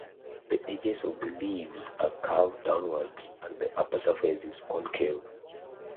The edges of the leaves are curved downwards and the upper surface is concave.